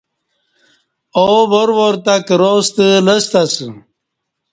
آو وار وار تہ کراستہ لستہ اسہ